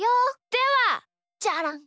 ではチャラン！